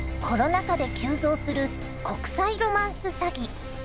コロナ禍で急増する国際ロマンス詐欺。